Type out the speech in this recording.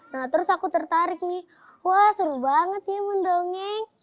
nah terus aku tertarik nih wah seru banget nih mendongeng